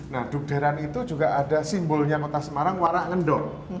nah dukderan itu juga ada simbolnya kota semarang warak ngendor